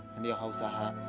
nanti kak usaha